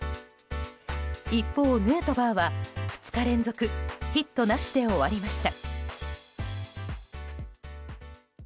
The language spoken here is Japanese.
一方、ヌートバーは２日連続ヒットなしで終わりました。